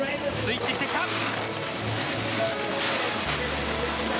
スイッチしてきた。